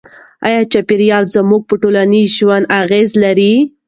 آیا چاپیریال زموږ په ټولنیز ژوند اغېز لري؟